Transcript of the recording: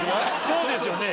そうですよね。